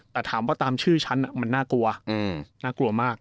แต่ถามว่าตามชื่อฉันมันน่ากลัวน่ากลัวมาก